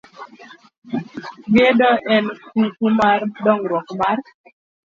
Gedo en kuku mar dongruok mar